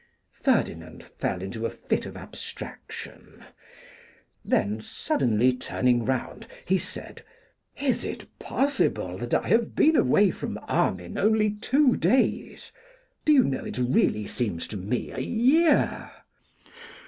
Ferdinand fell into a fit of abstraction; then, suddenly turning round, he said, 'Is it possible that I have been away from Armine only two days? Do you know it really seems to me a year!